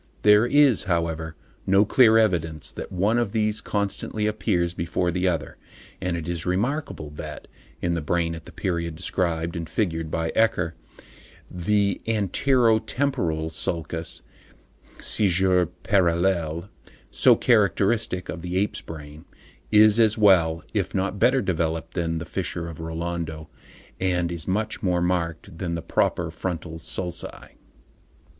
There is, however, no clear evidence that one of these constantly appears before the other; and it is remarkable that, in the brain at the period described and figured by Ecker (loc. cit. pp. 212 213, Taf. II, figs. 1, 2, 3, 4), the antero temporal sulcus (scissure parallele) so characteristic of the ape's brain, is as well, if not better developed than the fissure of Rolando, and is much more marked than the proper frontal sulci.